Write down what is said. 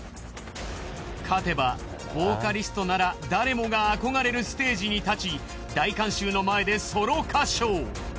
勝てばボーカリストなら誰もが憧れるステージに立ち大観衆の前でソロ歌唱。